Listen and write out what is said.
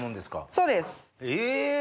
そうです。え？